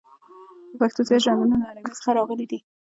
د پښتو زیات ژانرونه له عربي څخه راغلي دي.